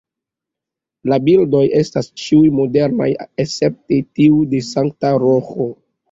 La bildoj estas ĉiuj modernaj escepte tiu de Sankta Roĥo.